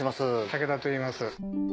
竹田といいます。